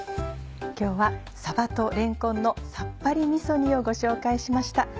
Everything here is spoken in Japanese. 今日は「さばとれんこんのさっぱりみそ煮」をご紹介しました。